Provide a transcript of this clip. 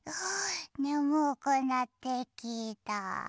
ねむくなってきた。